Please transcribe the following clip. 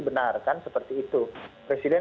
benar kan seperti itu presiden